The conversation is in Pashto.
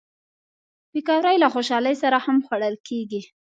پکورې له خوشحالۍ سره هم خوړل کېږي